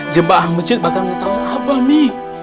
jembatan mecik bakal ngetawain aba umi